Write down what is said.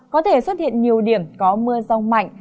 có thể xuất hiện nhiều điểm có mưa rông mạnh